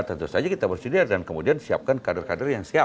tentu saja kita bersedia dan kemudian siapkan kader kader yang siap